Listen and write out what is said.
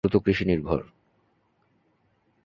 নাঙ্গলকোট উপজেলার অর্থনৈতিক চালিকা শক্তি মূলত কৃষি নির্ভর।